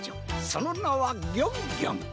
そのなはギョンギョン。